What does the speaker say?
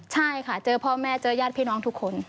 ใช่ค่ะเจอพ่อแม่เจอญาติพี่น้องทุกคน